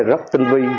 rất tinh vi